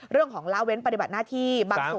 เรื่องของล้าเว้นปฏิบัติหน้าที่